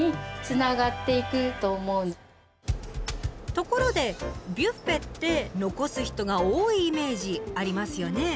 ところでビュッフェって残す人が多いイメージありますよね？